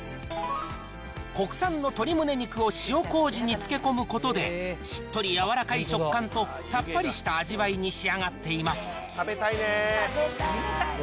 国産の鶏むね肉を塩こうじに漬け込むことで、しっとりやわらかい食感と、さっぱりした味わいに仕上がっています。